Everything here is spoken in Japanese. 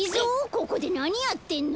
ここでなにやってんの？